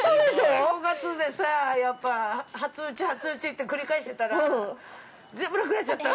◆正月でさ、やっぱ初打ち、初打ちって繰り返してたら全部なくなっちゃったの。